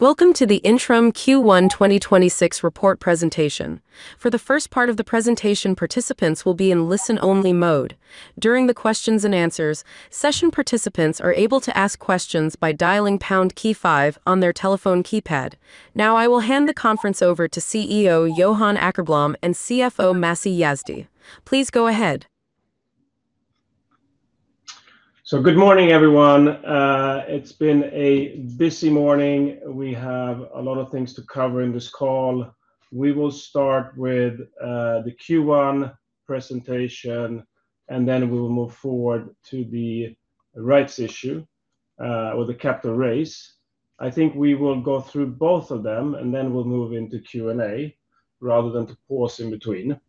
Welcome to the Intrum Q1 2026 report presentation. For the first part of the presentation, participants will be in listen-only mode. During the questions and answers session, participants are able to ask questions by dialing pound key five on their telephone keypad. I will hand the conference over to CEO Johan Åkerblom and CFO Masih Yazdi. Please go ahead. Good morning, everyone. It's been a busy morning. We have a lot of things to cover in this call. We will start with the Q1 presentation, and then we will move forward to the rights issue or the capital raise. I think we will go through both of them, and then we'll move into Q&A rather than to pause in between.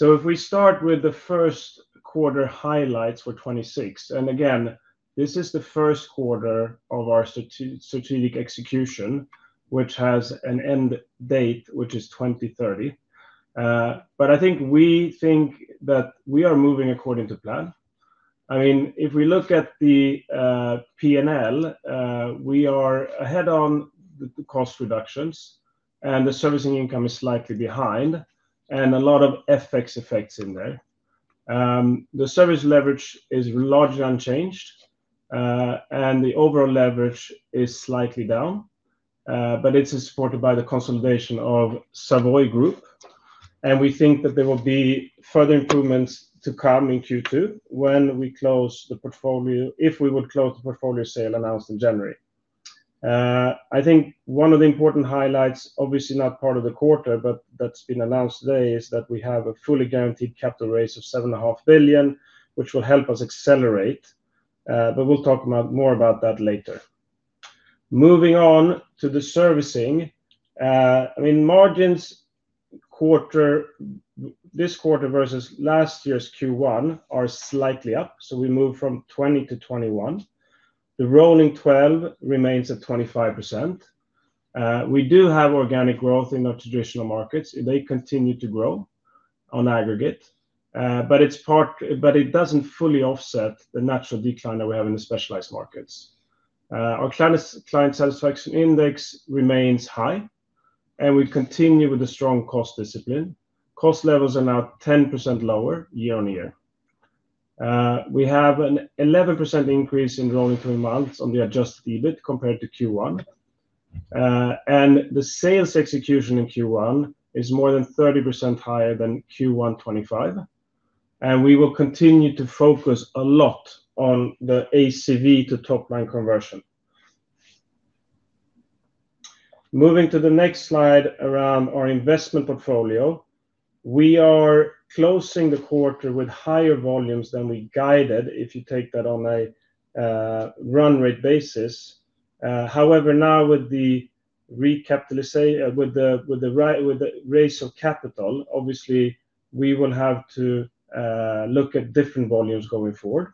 If we start with the first quarter highlights for 2026, and again, this is the first quarter of our strategic execution, which has an end date, which is 2030. I think we think that we are moving according to plan. I mean, if we look at the P&L, we are ahead on the cost reductions and the servicing income is slightly behind and a lot of FX effects in there. The service leverage is largely unchanged, and the overall leverage is slightly down. It is supported by the consolidation of Savoy Group, and we think that there will be further improvements to come in Q2 when we close the portfolio sale announced in January. I think one of the important highlights, obviously not part of the quarter, but that's been announced today, is that we have a fully guaranteed capital raise of 7.5 billion, which will help us accelerate. We'll talk about more about that later. Moving on to the servicing. Margins this quarter versus last year's Q1 are slightly up, so we moved from 20% to 21%. The rolling 12 months remains at 25%. We do have organic growth in our traditional markets. They continue to grow on aggregate, but it doesn't fully offset the natural decline that we have in the specialized markets. Our client satisfaction index remains high, and we continue with the strong cost discipline. Cost levels are now 10% lower year-on-year. We have an 11% increase in rolling three months on the adjusted EBIT compared to Q1. The sales execution in Q1 is more than 30% higher than Q1 2025, and we will continue to focus a lot on the ACV to top line conversion. Moving to the next slide around our investment portfolio. We are closing the quarter with higher volumes than we guided, if you take that on a run rate basis. However, now with the raise of capital, obviously we will have to look at different volumes going forward.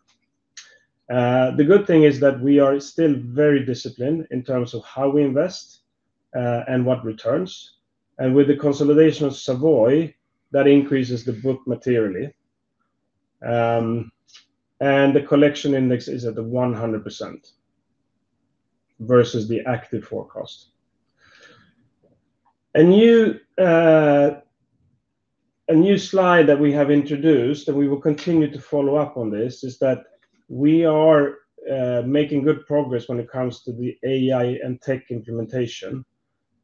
The good thing is that we are still very disciplined in terms of how we invest and what returns. With the consolidation of Savoy, that increases the book materially. The collection index is at the 100% versus the active forecast. A new slide that we have introduced, and we will continue to follow up on this, is that we are making good progress when it comes to the AI and tech implementation.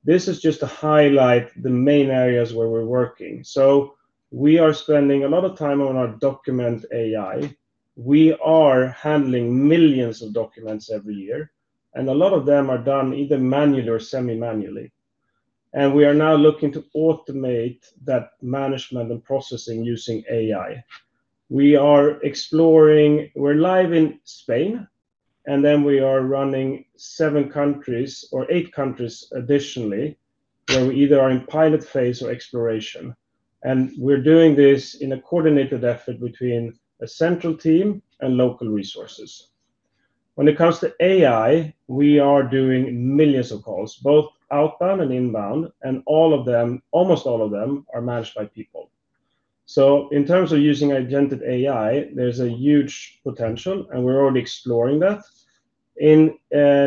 This is just to highlight the main areas where we're working. We are spending a lot of time on our Document AI. We are handling millions of documents every year, and a lot of them are done either manually or semi-manually. We are now looking to automate that management and processing using AI. We're live in Spain, and then we are running seven countries or eight countries additionally, where we either are in pilot phase or exploration. We're doing this in a coordinated effort between a central team and local resources. When it comes to AI, we are doing millions of calls, both outbound and inbound, and all of them, almost all of them are managed by people. In terms of using agentic AI, there's a huge potential, and we're already exploring that. In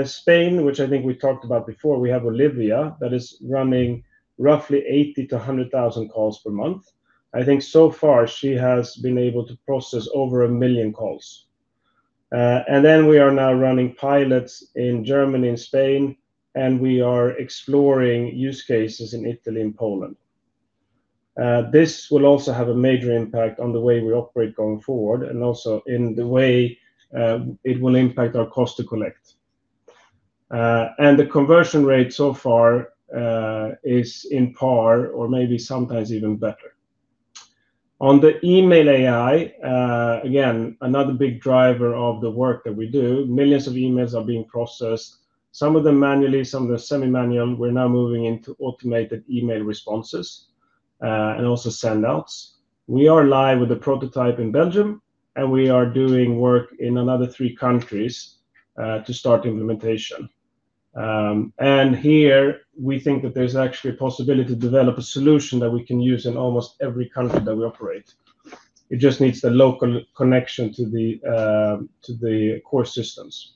Spain, which I think we talked about before, we have Olivia that is running roughly 80,000-100,000 calls per month. I think so far she has been able to process over 1 million calls. We are now running pilots in Germany and Spain, and we are exploring use cases in Italy and Poland. This will also have a major impact on the way we operate going forward and also in the way it will impact our cost to collect. The conversion rate so far is on par or maybe sometimes even better. On the email AI, again, another big driver of the work that we do. Millions of emails are being processed, some of them manually, some of them semi-manual. We're now moving into automated email responses, and also send outs. We are live with a prototype in Belgium, and we are doing work in another three countries to start implementation. Here we think that there's actually a possibility to develop a solution that we can use in almost every country that we operate. It just needs the local connection to the to the core systems.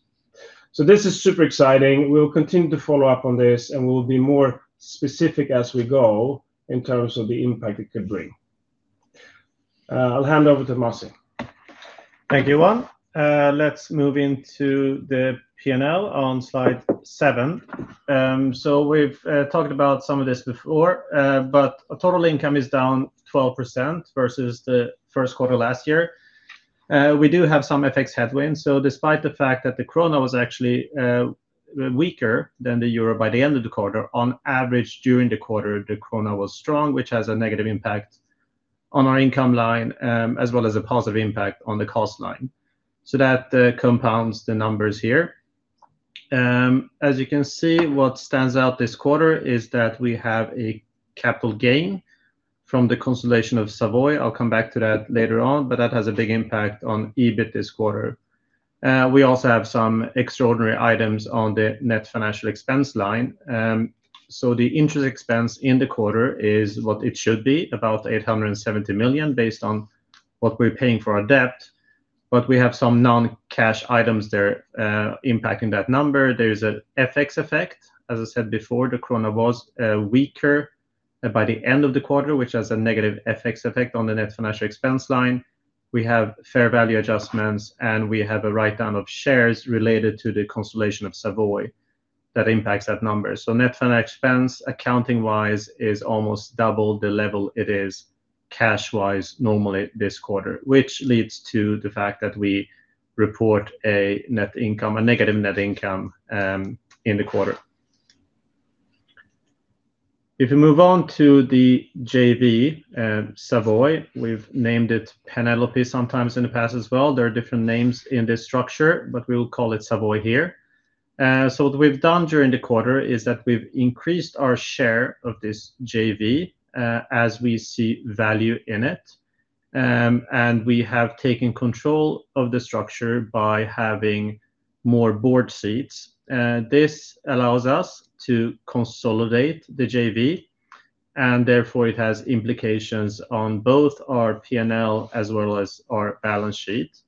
This is super exciting. We'll continue to follow up on this, and we'll be more specific as we go in terms of the impact it could bring. I'll hand over to Masih. Thank you, Johan. Let's move into the P&L on slide seven. We've talked about some of this before, but total income is down 12% versus the first quarter last year. We do have some FX headwinds, despite the fact that the krona was actually weaker than the euro by the end of the quarter, on average during the quarter, the krona was strong, which has a negative impact on our income line, as well as a positive impact on the cost line. That compounds the numbers here. As you can see, what stands out this quarter is that we have a capital gain from the consolidation of Savoy. I'll come back to that later on, that has a big impact on EBIT this quarter. We also have some extraordinary items on the net financial expense line. The interest expense in the quarter is what it should be, about 870 million based on what we are paying for our debt, but we have some non-cash items there impacting that number. There is an FX effect. As I said before, the krona was weaker by the end of the quarter, which has a negative FX effect on the net financial expense line. We have fair value adjustments, and we have a write-down of shares related to the consolidation of Savoy that impacts that number. Net financial expense accounting-wise is almost double the level it is cash-wise normally this quarter, which leads to the fact that we report a net income, a negative net income, in the quarter. If you move on to the JV, Savoy, we have named it Penelope sometimes in the past as well. There are different names in this structure, but we will call it Savoy here. What we've done during the quarter is that we've increased our share of this JV, as we see value in it. We have taken control of the structure by having more board seats. This allows us to consolidate the JV, and therefore it has implications on both our P&L as well as our balance sheet.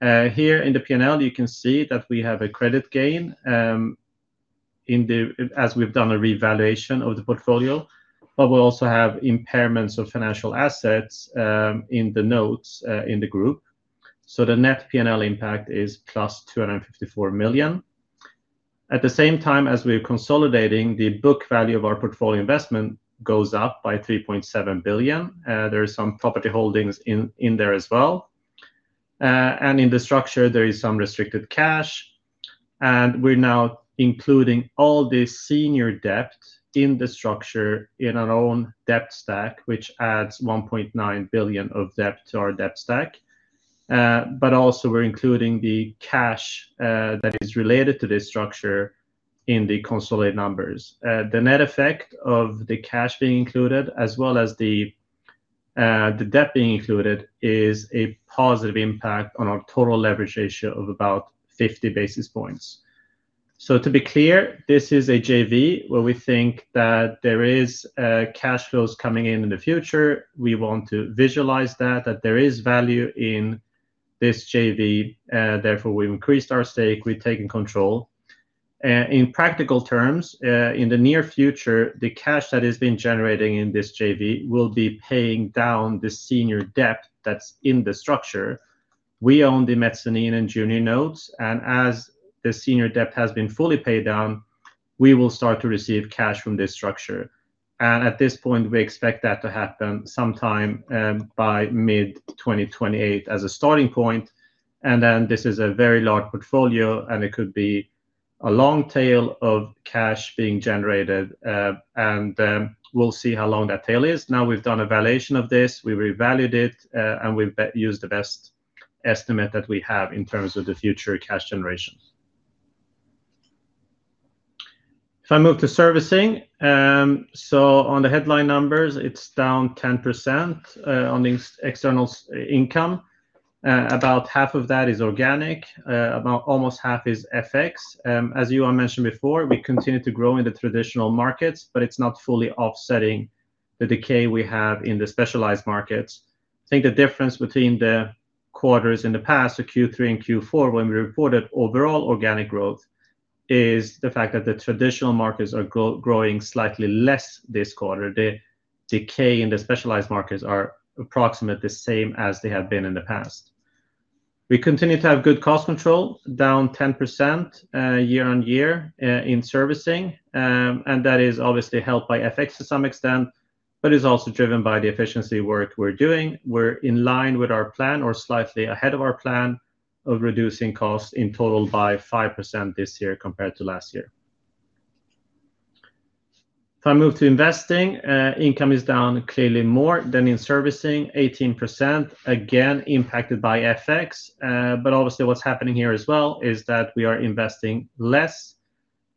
Here in the P&L, you can see that we have a credit gain, in the as we've done a revaluation of the portfolio, we also have impairments of financial assets, in the notes, in the group. The net P&L impact is +254 million. At the same time as we're consolidating, the book value of our portfolio investment goes up by 3.7 billion. There is some property holdings in there as well. In the structure, there is some restricted cash, we're now including all the senior debt in the structure in our own debt stack, which adds 1.9 billion of debt to our debt stack. Also we're including the cash that is related to this structure in the consolidated numbers. The net effect of the cash being included as well as the debt being included is a positive impact on our total leverage ratio of about 50 basis points. To be clear, this is a JV where we think that there is cash flows coming in in the future. We want to visualize that there is value in this JV, therefore, we've increased our stake. We've taken control. In practical terms, in the near future, the cash that has been generating in this JV will be paying down the senior debt that's in the structure. We own the mezzanine and junior notes, and as the senior debt has been fully paid down, we will start to receive cash from this structure. At this point, we expect that to happen sometime by mid-2028 as a starting point, and then this is a very large portfolio, and it could be a long tail of cash being generated. We'll see how long that tail is. We've done a valuation of this. We revalued it, and we've used the best estimate that we have in terms of the future cash generations. If I move to servicing, so on the headline numbers, it's down 10% on the external income. About half of that is organic. About almost half is FX. As Johan mentioned before, we continue to grow in the traditional markets, but it's not fully offsetting the decay we have in the specialized markets. I think the difference between the quarters in the past, so Q3 and Q4, when we reported overall organic growth, is the fact that the traditional markets are growing slightly less this quarter. The decay in the specialized markets are approximately the same as they have been in the past. We continue to have good cost control, down 10% year-on-year in servicing. That is obviously helped by FX to some extent, but is also driven by the efficiency work we're doing. We're in line with our plan or slightly ahead of our plan of reducing costs in total by 5% this year compared to last year. If I move to investing, income is down clearly more than in servicing, 18%, again impacted by FX. Obviously what's happening here as well is that we are investing less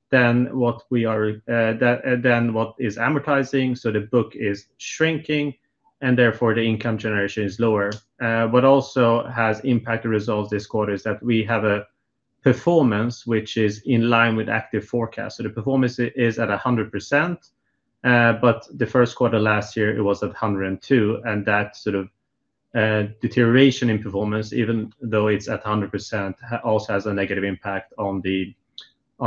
than what we are than what is amortizing, the book is shrinking, therefore the income generation is lower. What also has impacted results this quarter is that we have a performance which is in line with active forecast. The performance is at 100%. The first quarter last year it was at 102%, that sort of deterioration in performance, even though it's at 100%, also has a negative impact on the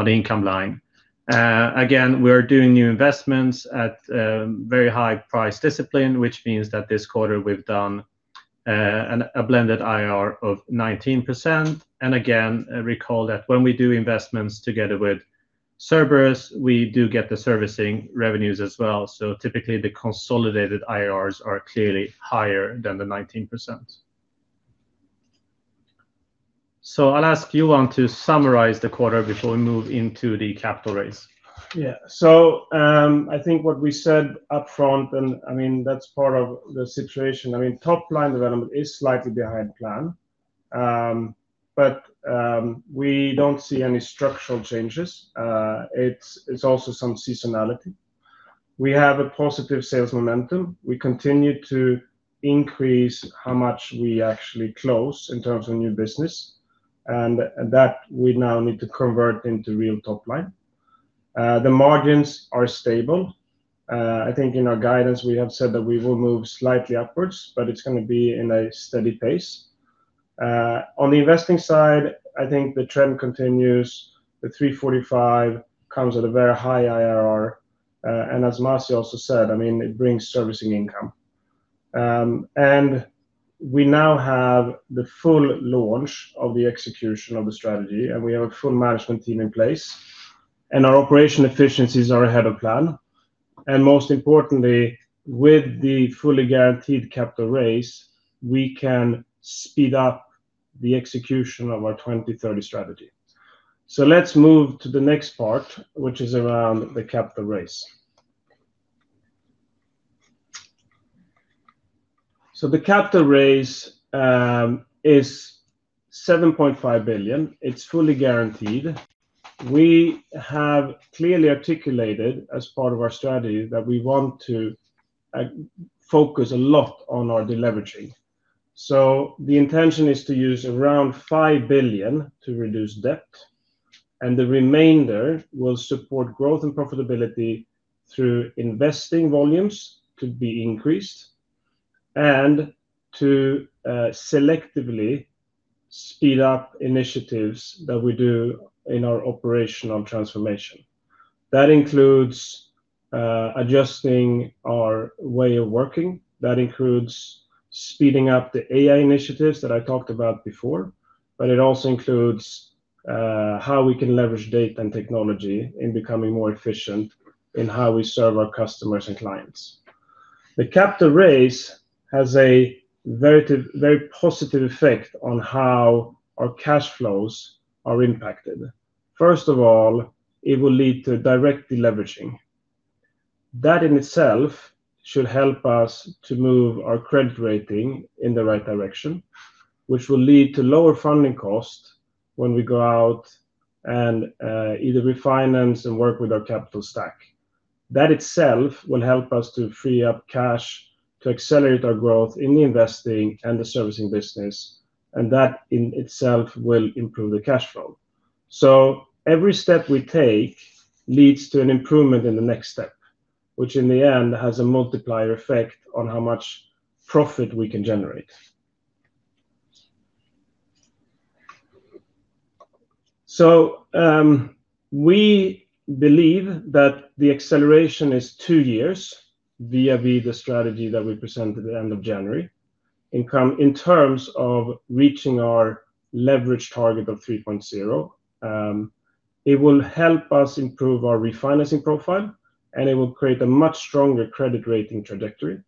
income line. Again, we're doing new investments at very high price discipline, which means that this quarter we've done a blended IRR of 19%. Again, recall that when we do investments together with Cerberus, we do get the servicing revenues as well. Typically the consolidated IRRs are clearly higher than the 19%. I'll ask Johan to summarize the quarter before we move into the capital raise. I think what we said upfront, and I mean that's part of the situation, I mean top line development is slightly behind plan. We don't see any structural changes. It's also some seasonality. We have a positive sales momentum. We continue to increase how much we actually close in terms of new business, and that we now need to convert into real top line. The margins are stable. I think in our guidance we have said that we will move slightly upwards, but it's gonna be in a steady pace. On the investing side, I think the trend continues. The 345 comes at a very high IRR, and as Masih also said, I mean it brings servicing income. We now have the full launch of the execution of the strategy. We have a full management team in place. Our operation efficiencies are ahead of plan. Most importantly, with the fully guaranteed capital raise, we can speed up the execution of our 2030 strategy. Let's move to the next part, which is around the capital raise. The capital raise is 7.5 billion. It's fully guaranteed. We have clearly articulated as part of our strategy that we want to focus a lot on our deleveraging. The intention is to use around 5 billion to reduce debt. The remainder will support growth and profitability through investing volumes to be increased and to selectively speed up initiatives that we do in our operational transformation. That includes adjusting our way of working. That includes speeding up the AI initiatives that I talked about before, but it also includes how we can leverage data and technology in becoming more efficient in how we serve our customers and clients. The capital raise has a very positive effect on how our cash flows are impacted. First of all, it will lead to direct deleveraging. That in itself should help us to move our credit rating in the right direction, which will lead to lower funding cost when we go out and either refinance and work with our capital stack. That itself will help us to free up cash to accelerate our growth in the investing and the servicing business, and that in itself will improve the cash flow. Every step we take leads to an improvement in the next step, which in the end has a multiplier effect on how much profit we can generate. We believe that the acceleration is two years vis-a-vis the strategy that we present at the end of January. Income in terms of reaching our leverage target of 3.0, it will help us improve our refinancing profile and it will create a much stronger credit rating trajectory.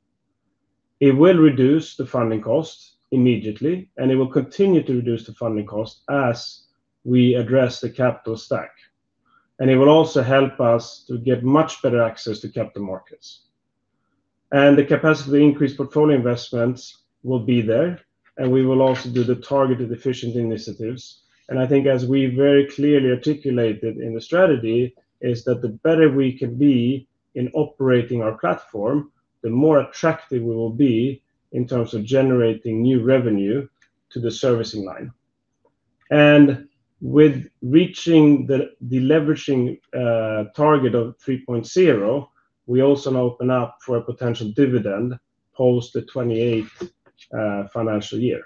It will reduce the funding cost immediately, and it will continue to reduce the funding cost as we address the capital stack, and it will also help us to get much better access to capital markets. The capacity increased portfolio investments will be there, and we will also do the targeted efficient initiatives. I think as we very clearly articulated in the strategy is that the better we can be in operating our platform, the more attractive we will be in terms of generating new revenue to the servicing line. With reaching the deleveraging target of 3.0, we also open up for a potential dividend post the 2028 financial year.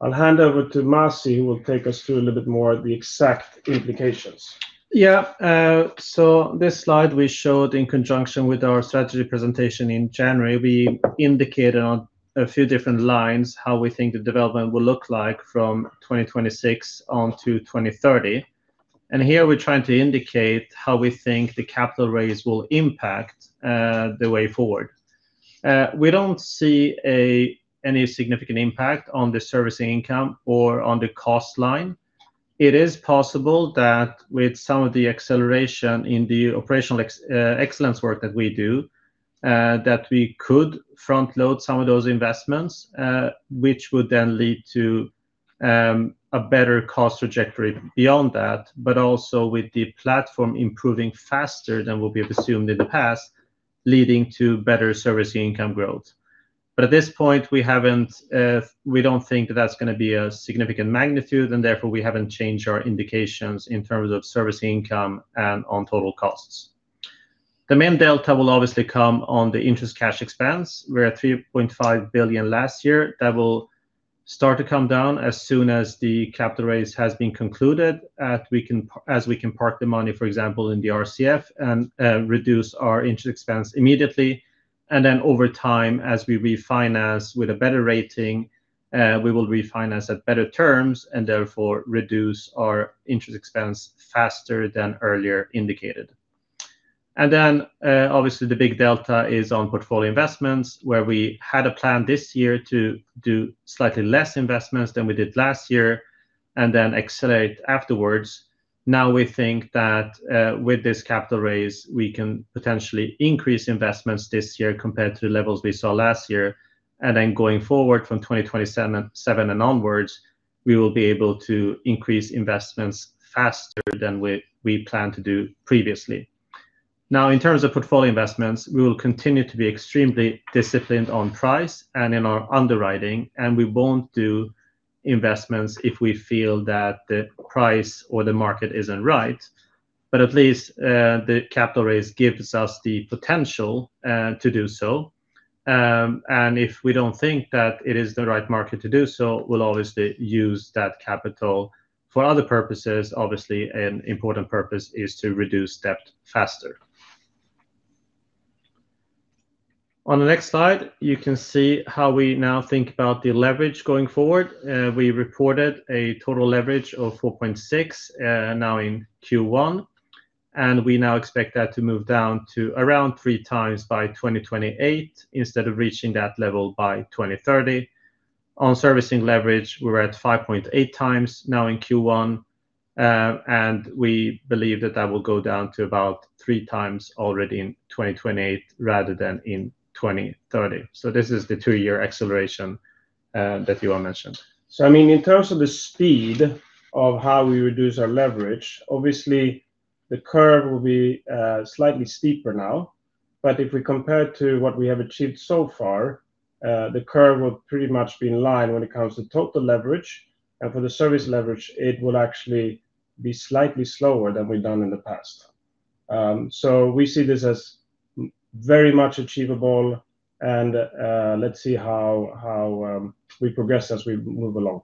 I'll hand over to Masih, who will take us through a little bit more the exact implications. Yeah. This slide we showed in conjunction with our strategy presentation in January. We indicated on a few different lines how we think the development will look like from 2026 on to 2030. Here we're trying to indicate how we think the capital raise will impact the way forward. We don't see any significant impact on the servicing income or on the cost line. It is possible that with some of the acceleration in the operational excellence work that we do, that we could front load some of those investments, which would then lead to a better cost trajectory beyond that. Also with the platform improving faster than we've assumed in the past, leading to better servicing income growth. At this point, we haven't, we don't think that's going to be a significant magnitude, and therefore we haven't changed our indications in terms of servicing income and on total costs. The main delta will obviously come on the interest cash expense. We're at 3.5 billion last year. That will start to come down as soon as the capital raise has been concluded as we can park the money, for example, in the RCF and reduce our interest expense immediately. Over time, as we refinance with a better rating, we will refinance at better terms and therefore reduce our interest expense faster than earlier indicated. Obviously the big delta is on portfolio investments, where we had a plan this year to do slightly less investments than we did last year and then accelerate afterwards. We think that with this capital raise, we can potentially increase investments this year compared to levels we saw last year. Going forward from 2027 and onwards, we will be able to increase investments faster than we planned to do previously. In terms of portfolio investments, we will continue to be extremely disciplined on price and in our underwriting. We won't do investments if we feel that the price or the market isn't right. At least, the capital raise gives us the potential to do so. If we don't think that it is the right market to do so, we'll obviously use that capital for other purposes. Obviously, an important purpose is to reduce debt faster. On the next slide, you can see how we now think about the leverage going forward. We reported a total leverage of 4.6x, now in Q1, and we now expect that to move down to around 3x by 2028 instead of reaching that level by 2030. On servicing leverage, we're at 5.8x now in Q1, and we believe that that will go down to about 3x already in 2028 rather than in 2030. This is the two-year acceleration that Johan mentioned. I mean, in terms of the speed of how we reduce our leverage, obviously the curve will be slightly steeper now. If we compare to what we have achieved so far, the curve will pretty much be in line when it comes to total leverage. For the service leverage, it will actually be slightly slower than we've done in the past. We see this as very much achievable and let's see how we progress as we move along.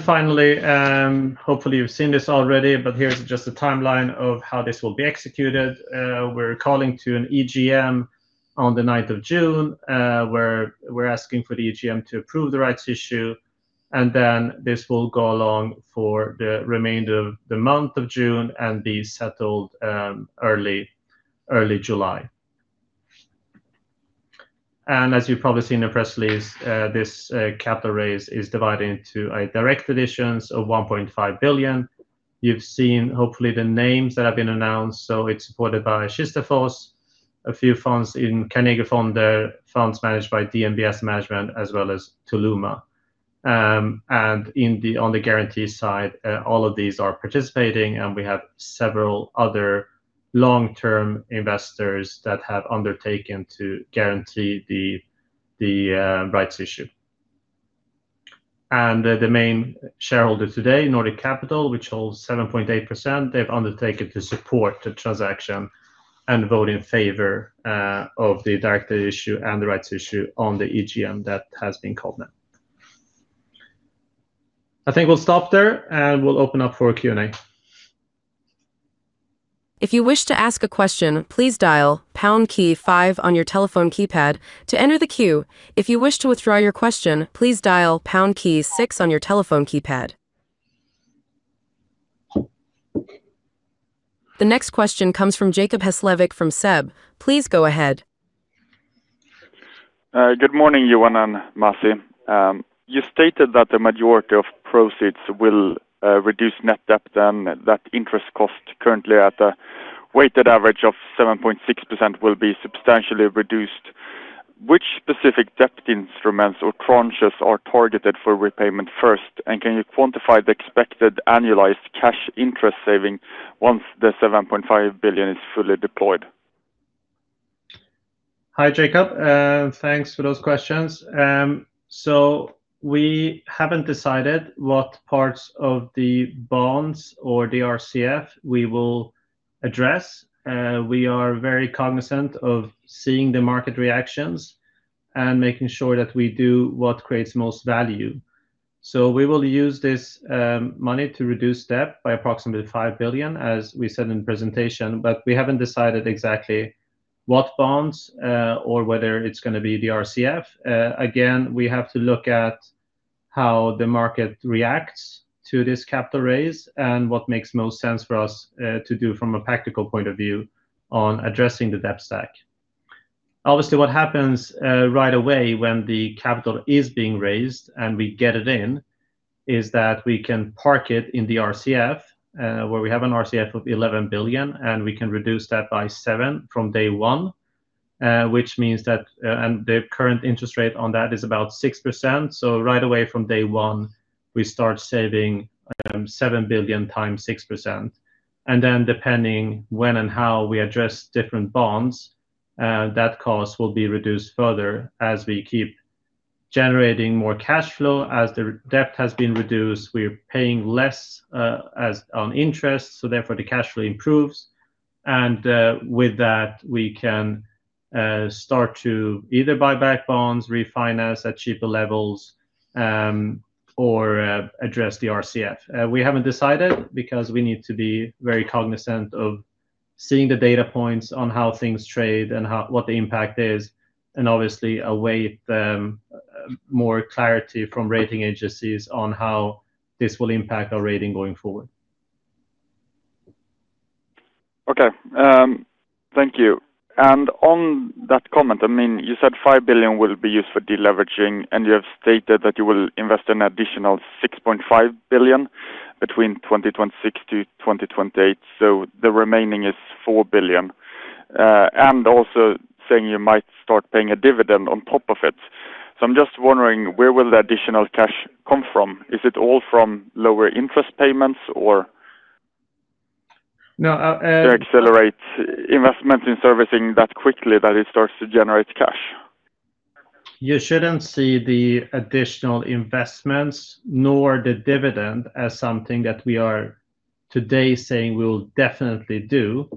Finally, hopefully you've seen this already, but here's just a timeline of how this will be executed. We're calling to an EGM on the June 9th, where we're asking for the EGM to approve the rights issue, this will go along for the remainder of the month of June and be settled early July. You've probably seen in the press release, this capital raise is divided into a directed issue of 1.5 billion. You've seen hopefully the names that have been announced, it's supported by Schibsted, a few funds in Carnegie Fonder, the funds managed by DNB Asset Management, as well as Toluma AS. On the guarantee side, all of these are participating, and we have several other long-term investors that have undertaken to guarantee the rights issue. The main shareholder today, Nordic Capital, which holds 7.8%, they've undertaken to support the transaction and vote in favor of the directed issue and the rights issue on the EGM that has been called now. I think we'll stop there, and we'll open up for a Q&A. If you wish to ask a question, please dial pound key five on your telephone keypad to enter the queue. If you wish to withdraw your question, please dial pound key six on your telephone keypad. The next question comes from Jacob Hesslevik from SEB. Please go ahead. Good morning, Johan and Masih. You stated that the majority of proceeds will reduce net debt and that interest cost currently at a weighted average of 7.6% will be substantially reduced. Which specific debt instruments or tranches are targeted for repayment first? Can you quantify the expected annualized cash interest saving once the 7.5 billion is fully deployed? Hi, Jacob, and thanks for those questions. We haven't decided what parts of the bonds or the RCF we will address. We are very cognizant of seeing the market reactions and making sure that we do what creates most value. We will use this money to reduce debt by approximately 5 billion, as we said in presentation, but we haven't decided exactly what bonds or whether it's gonna be the RCF. Again, we have to look at how the market reacts to this capital raise and what makes most sense for us to do from a practical point of view on addressing the debt stack. What happens, right away when the capital is being raised and we get it in, is that we can park it in the RCF, where we have an RCF of 11 billion, and we can reduce that by 7 billion from day one. Which means that, the current interest rate on that is about 6%. Right away from day one, we start saving, 7 billion times 6%. Depending when and how we address different bonds, that cost will be reduced further as we keep generating more cash flow. As the debt has been reduced, we're paying less, as on interest, therefore the cash flow improves. With that, we can start to either buy back bonds, refinance at cheaper levels, or address the RCF. We haven't decided because we need to be very cognizant of seeing the data points on how things trade and how what the impact is, and obviously await more clarity from rating agencies on how this will impact our rating going forward. Okay. Thank you. On that comment, I mean, you said 5 billion will be used for de-leveraging, and you have stated that you will invest an additional 6.5 billion between 2026-2028, so the remaining is 4 billion. Also saying you might start paying a dividend on top of it. I'm just wondering where will the additional cash come from? Is it all from lower interest payments or? No. To accelerate investment in servicing that quickly that it starts to generate cash. You shouldn't see the additional investments nor the dividend as something that we are today saying we will definitely do.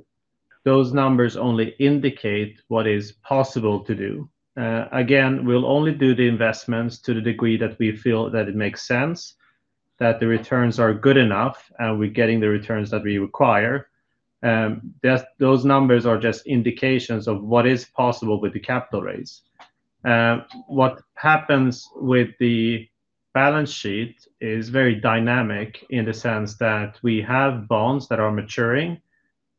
Those numbers only indicate what is possible to do. Again, we'll only do the investments to the degree that we feel that it makes sense, that the returns are good enough, and we're getting the returns that we require. Those numbers are just indications of what is possible with the capital raise. What happens with the balance sheet is very dynamic in the sense that we have bonds that are maturing,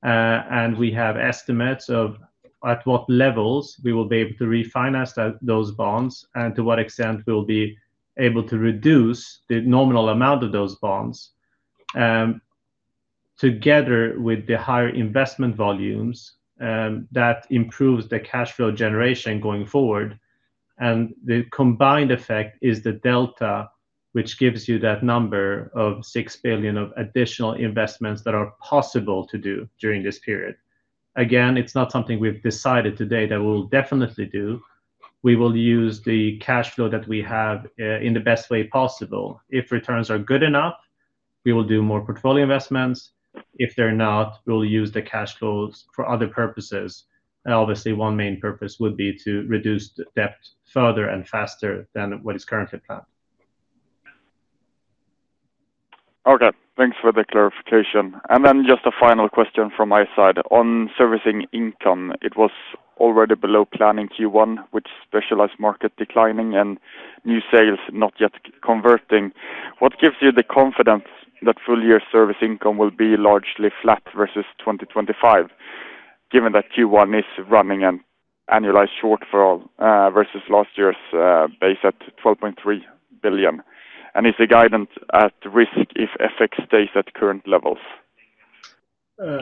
and we have estimates of at what levels we will be able to refinance those bonds and to what extent we'll be able to reduce the nominal amount of those bonds. Together with the higher investment volumes, that improves the cash flow generation going forward. The combined effect is the delta, which gives you that number of 6 billion of additional investments that are possible to do during this period. Again, it's not something we've decided today that we'll definitely do. We will use the cash flow that we have in the best way possible. If returns are good enough, we will do more portfolio investments. If they're not, we'll use the cash flows for other purposes. Obviously one main purpose would be to reduce the debt further and faster than what is currently planned. Okay, thanks for the clarification. Then just a final question from my side. On servicing income, it was already below plan in Q1 with specialized market declining and new sales not yet converting. What gives you the confidence that full year service income will be largely flat versus 2025, given that Q1 is running an annualized shortfall versus last year's base at 12.3 billion? Is the guidance at risk if FX stays at current levels?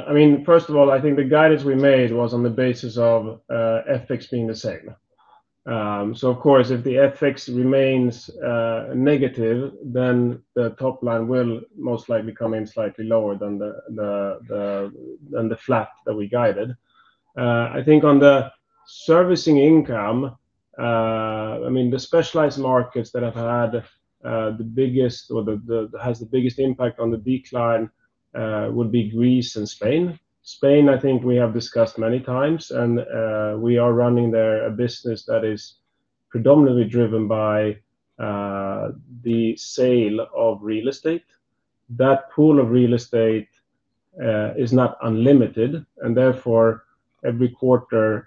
I mean, first of all, I think the guidance we made was on the basis of FX being the same. Of course, if the FX remains negative, then the top line will most likely come in slightly lower than the flat that we guided. I think on the servicing income, I mean, the specialized markets that have had the biggest or has the biggest impact on the decline would be Greece and Spain. Spain, I think we have discussed many times and we are running there a business that is predominantly driven by the sale of real estate. That pool of real estate is not unlimited and therefore every quarter,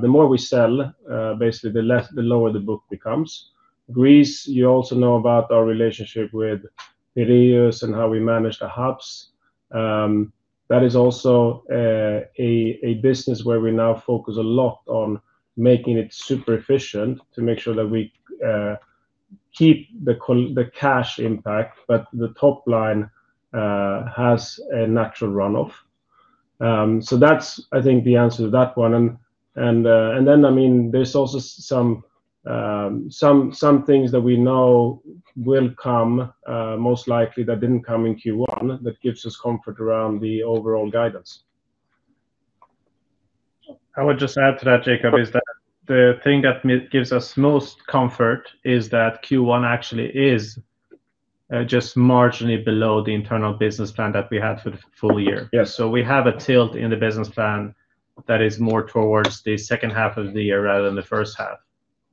the more we sell, basically the lower the book becomes. Greece, you also know about our relationship with Piraeus and how we manage the hubs. That is also a business where we now focus a lot on making it super efficient to make sure that we keep the cash impact, but the top line has a natural runoff. So that's, I think, the answer to that one. Then, I mean, there's also some things that we know will come most likely that didn't come in Q1 that gives us comfort around the overall guidance. I would just add to that, Jacob, is that the thing that gives us most comfort is that Q1 actually is just marginally below the internal business plan that we had for the full year. Yes. We have a tilt in the business plan that is more towards the second half of the year rather than the first half.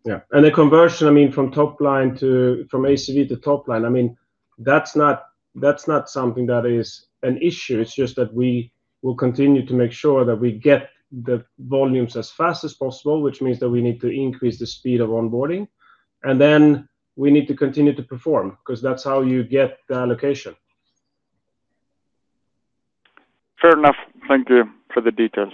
Yeah. The conversion, I mean, from top line to, from ACV to top line, I mean, that's not something that is an issue. It's just that we will continue to make sure that we get the volumes as fast as possible, which means that we need to increase the speed of onboarding, we need to continue to perform because that's how you get the allocation. Fair enough. Thank you for the details.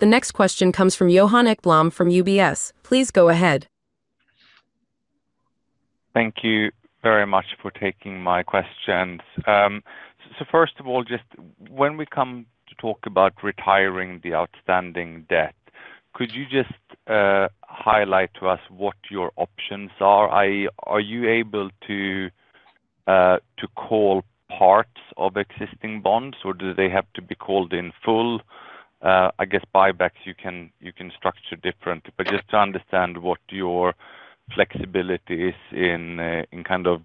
The next question comes from Johan Ekblom from UBS. Please go ahead. Thank you very much for taking my questions. First of all, just when we come to talk about retiring the outstanding debt, could you just highlight to us what your options are? Are you able to call parts of existing bonds or do they have to be called in full? I guess buybacks you can structure differently. Just to understand what your flexibility is in kind of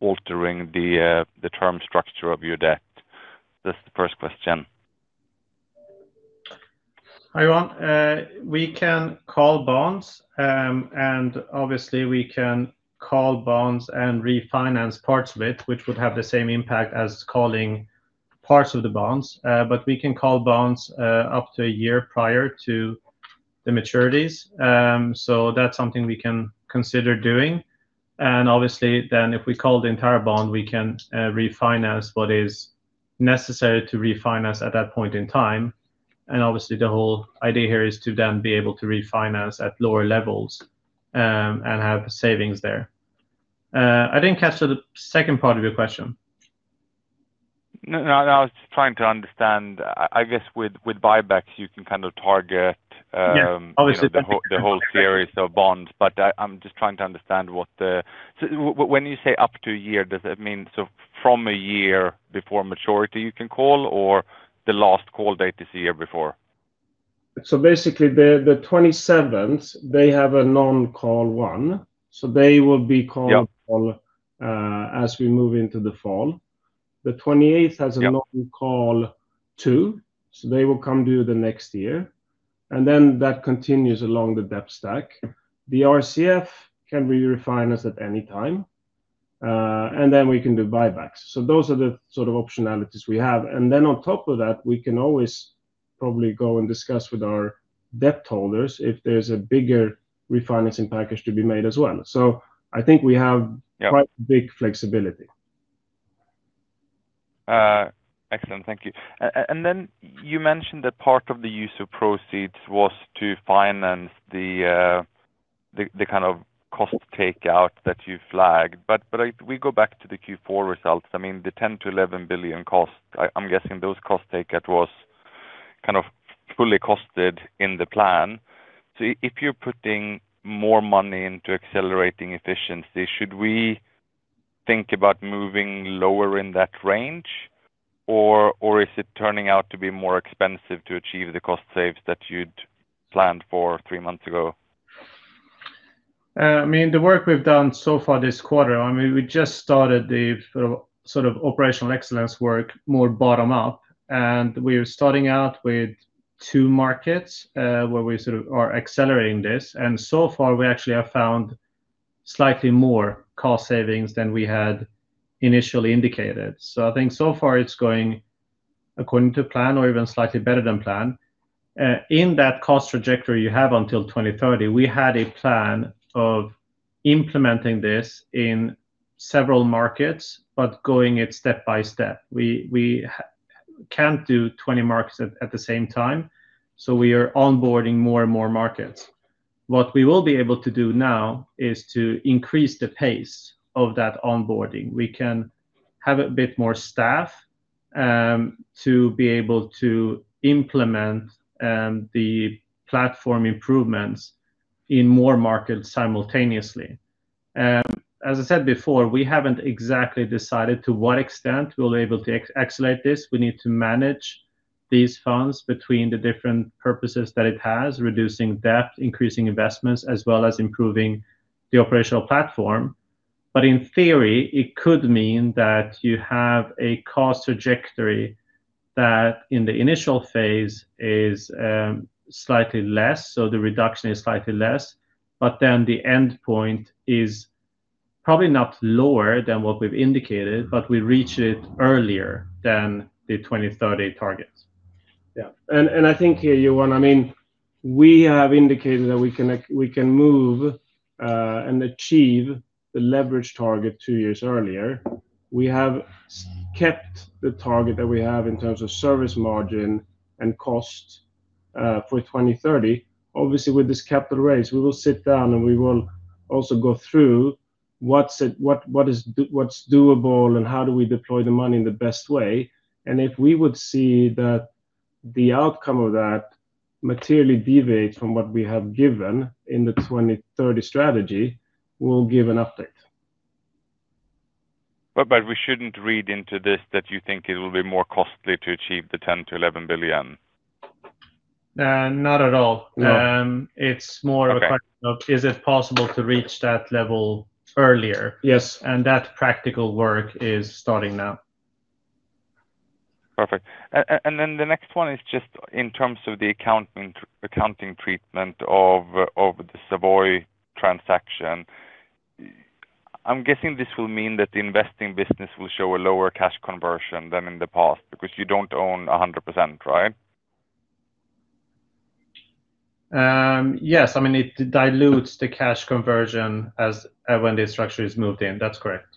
altering the term structure of your debt. That's the first question. Hi, Johan. We can call bonds, and obviously we can call bonds and refinance parts of it, which would have the same impact as calling parts of the bonds. We can call bonds up to a year prior to the maturities. That's something we can consider doing. Obviously then if we call the entire bond, we can refinance what is necessary to refinance at that point in time. Obviously the whole idea here is to then be able to refinance at lower levels and have savings there. I didn't catch the second part of your question. No, no, I was trying to understand. I guess with buybacks you can kind of target. Yeah. Obviously. the whole series of bonds. I'm just trying to understand what the So when you say up to a year, does it mean so from a year before maturity you can call or the last call date is a year before? Basically the 2027s they have a non-call one, so they will be called- Yeah. ...as we move into the fall. The 2028 has a- Yeah. ...non-call two, so they will come due the next year, and then that continues along the debt stack. The RCF can re-refinance at any time, and then we can do buybacks. Those are the sort of optionalities we have. And then on top of that, we can always probably go and discuss with our debt holders if there's a bigger refinancing package to be made as well. I think we have- Yeah. ...quite big flexibility. Excellent. Thank you. Then you mentioned that part of the use of proceeds was to finance the kind of cost takeout that you flagged. We go back to the Q4 results. I mean the 10 billion-11 billion cost, I'm guessing those cost takeout was kind of fully costed in the plan. If you're putting more money into accelerating efficiency, should we think about moving lower in that range or is it turning out to be more expensive to achieve the cost saves that you'd planned for three months ago? I mean the work we've done so far this quarter, I mean we just started the sort of operational excellence work more bottom up and we are starting out with two markets where we sort of are accelerating this. So far we actually have found slightly more cost savings than we had initially indicated. I think so far it's going according to plan or even slightly better than plan. In that cost trajectory you have until 2030, we had a plan of implementing this in several markets but going it step by step. We can't do 20 markets at the same time, we are onboarding more and more markets. What we will be able to do now is to increase the pace of that onboarding. We can have a bit more staff to be able to implement the platform improvements in more markets simultaneously. As I said before, we haven't exactly decided to what extent we'll able to accelerate this. We need to manage these funds between the different purposes that it has, reducing debt, increasing investments, as well as improving the operational platform. In theory, it could mean that you have a cost trajectory that in the initial phase is slightly less, so the reduction is slightly less, but then the end point is probably not lower than what we've indicated, but we reach it earlier than the 2030 targets. Yeah. I think here, Johan, I mean we have indicated that we can move and achieve the leverage target two years earlier. We have kept the target that we have in terms of service margin and cost for 2030. Obviously with this capital raise we will sit down and we will also go through what's doable and how do we deploy the money in the best way. If we would see that the outcome of that materially deviates from what we have given in the 2030 strategy, we'll give an update. We shouldn't read into this that you think it will be more costly to achieve the 10 billion-11 billion? Not at all. No. Um, it's more a question- Okay ...of is it possible to reach that level earlier? Yes. That practical work is starting now. Perfect. The next one is just in terms of the accounting treatment of the Savoy transaction. I'm guessing this will mean that the investing business will show a lower cash conversion than in the past because you don't own 100%, right? Yes. I mean it dilutes the cash conversion as, when the structure is moved in. That's correct.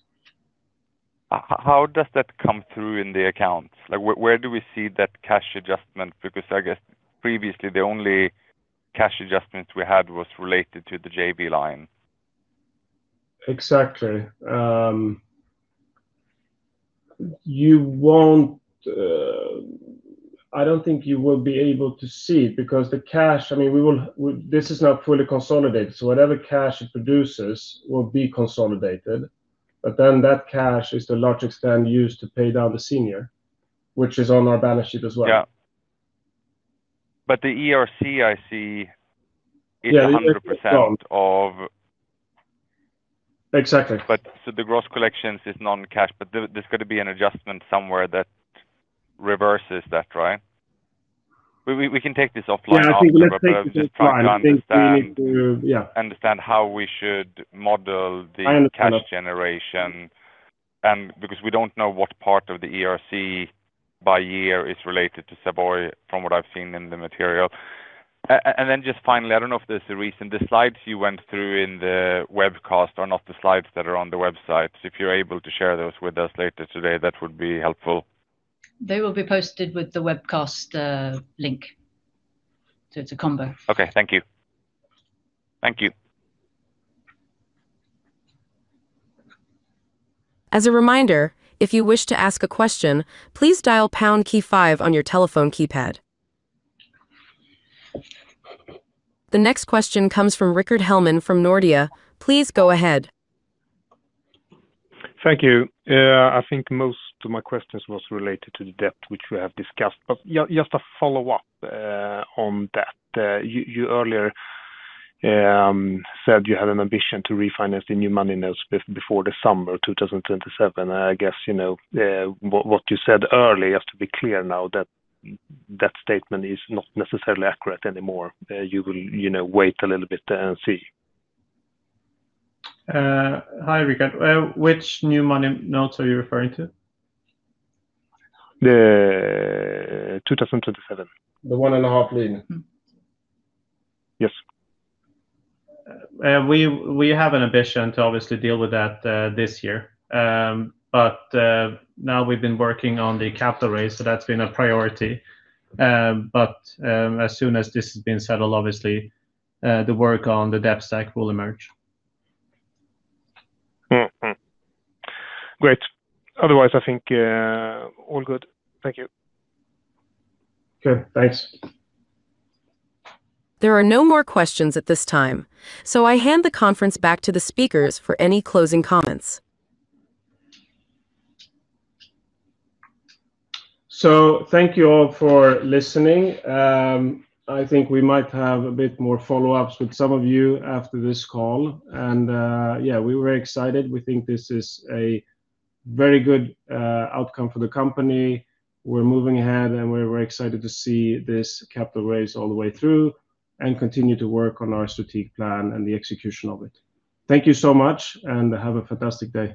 How does that come through in the accounts? Like, where do we see that cash adjustment? Because I guess previously the only cash adjustment we had was related to the JV line. Exactly. You won't, I don't think you will be able to see it because this is not fully consolidated. Whatever cash it produces will be consolidated. That cash is to a large extent used to pay down the senior, which is on our balance sheet as well. Yeah. The ERC I see is 100%. Yeah, it is. of- Exactly. The gross collections is non-cash, but there's got to be an adjustment somewhere that reverses that, right? We can take this offline after. I think let's take this offline. I'm just trying to understand- I think we need to, yeah. ...understand how we should model the cash generation I understand that. Because we don't know what part of the ERC by year is related to Savoy from what I've seen in the material. Just finally, I don't know if this is recent, the slides you went through in the webcast are not the slides that are on the website. If you're able to share those with us later today, that would be helpful. They will be posted with the webcast, link. It's a combo. Okay. Thank you. Thank you. As a reminder, if you wish to ask a question, please dial pound key five on your telephone keypad. The next question comes from Rickard Hellman from Nordea. Please go ahead. Thank you. I think most of my questions was related to the debt which we have discussed. Just a follow-up on that. You earlier said you had an ambition to refinance the new money notes before the summer 2027. I guess, you know, what you said earlier, just to be clear now, that that statement is not necessarily accurate anymore. You will, you know, wait a little bit and see. Hi, Rickard. Which new money notes are you referring to? The 2027. The 1.5 million? Yes. We have an ambition to obviously deal with that this year. Now we've been working on the capital raise, so that's been a priority. As soon as this has been settled, obviously, the work on the debt stack will emerge. Mm-hmm. Great. Otherwise, I think, all good. Thank you. Okay. Thanks. There are no more questions at this time, so I hand the conference back to the speakers for any closing comments. Thank you all for listening. I think we might have a bit more follow-ups with some of you after this call. We're very excited. We think this is a very good outcome for the company. We're moving ahead, and we're very excited to see this capital raise all the way through and continue to work on our strategic plan and the execution of it. Thank you so much. Have a fantastic day.